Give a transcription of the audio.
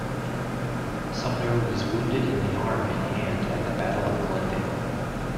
Sumner was wounded in the arm and hand at the Battle of Glendale.